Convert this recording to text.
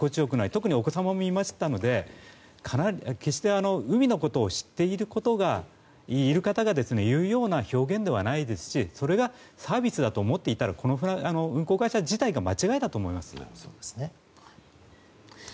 特にお子様もいましたので決して海のことを知っている方が言うような表現ではないですしそれがサービスだと思っていたらこの運航会社自体が間違いだと思いますね。